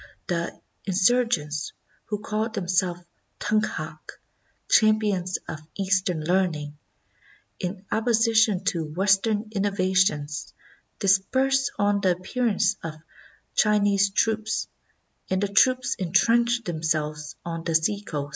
The insur gents, who called themselves Tunkhak ("champions of Eastern learning"), in opposition to Western innova tions, dispersed on the appearance of Chinese troops, and the troops intrenched themselves on the seacoast.